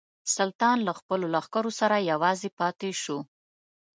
سلطان له خپلو لښکرو سره یوازې پاته شو.